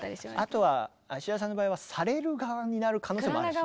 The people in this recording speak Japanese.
あとは田さんの場合はされる側になる可能性もあるしね。